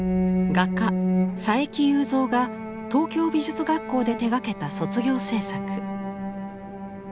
画家佐伯祐三が東京美術学校で手がけた卒業制作。